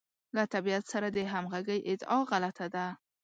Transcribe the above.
له طبیعت سره د همغږۍ ادعا غلطه ده.